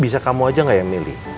bisa kamu aja nggak yang milih